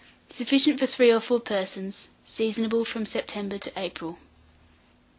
Sufficient for 3 or 4 persons. Seasonable from September to April.